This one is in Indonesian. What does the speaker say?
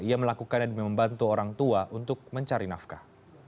ia melakukannya demi membantu orang tua untuk mencari nafkah